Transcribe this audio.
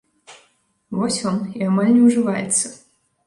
Вось вам, і амаль не ўжываецца.